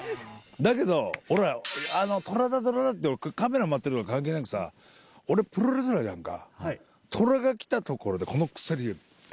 だけど俺トラだトラだってカメラ回ってるの関係なくさ俺プロレスラーじゃんかトラが来たところで。